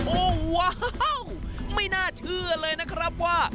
โอ้โหว้าวไม่น่าเชื่อเลยนะครับว่า